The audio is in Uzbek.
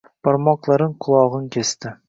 Barmoqlarin, qulog‘in kesdi.